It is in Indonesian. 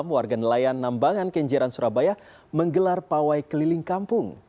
warga nelayan nambangan kenjeran surabaya menggelar pawai keliling kampung